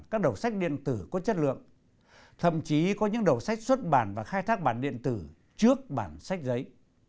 các đầu sách điện tử có chất lượng thậm chí có những đầu sách xuất bản và khai thác bản điện tử trước bản sách giấy